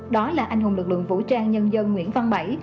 đó là anh hùng lực lượng vũ trang nhân dân nguyễn văn bảy